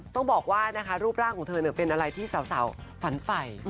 ต้องบอกว่านะคะรูปร่างของเธอเป็นอะไรที่สาวฝันไฟ